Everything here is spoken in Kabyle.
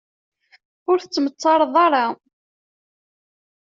Ur tettmettareḍ ara.